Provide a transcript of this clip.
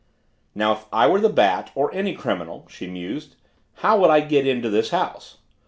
Now if I were the Bat, or any criminal, she mused, how would I get into this house?